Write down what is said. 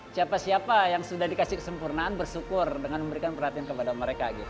siapa siapa yang sudah dikasih kesempurnaan bersyukur dengan memberikan perhatian kepada mereka